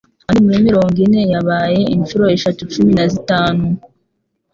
Kandi muri mirongo ine yabaye inshuro eshatu cumi na zitanu